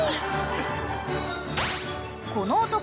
［この男］